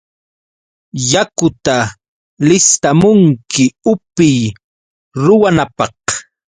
¡Yakuta listamunki upiy ruwanapaq!